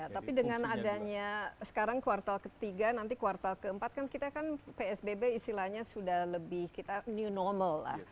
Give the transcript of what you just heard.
tapi dengan adanya sekarang kuartal ketiga nanti kuartal keempat kan kita kan psbb istilahnya sudah lebih kita new normal lah